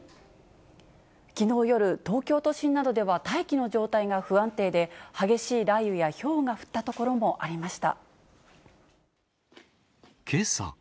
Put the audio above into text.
きのう夜、東京都心などでは大気の状態が不安定で、激しい雷雨やひょうが降った所もありました。